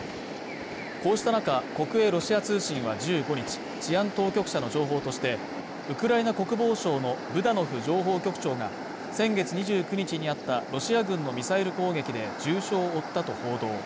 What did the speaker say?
こうした中、国営ロシア通信は１５日、治安当局者の情報として、ウクライナ国防省のブダノフ情報局長が先月２９日にあったロシア軍のミサイル攻撃で重傷を負ったと報道。